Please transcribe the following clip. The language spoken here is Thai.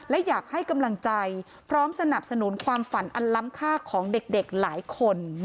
และอยากให้กำลังใจพร้อมสนับสนุนความฝันอันล้ำค่าของเด็กหลายคน